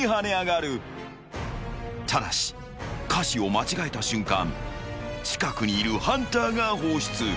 ［ただし歌詞を間違えた瞬間近くにいるハンターが放出］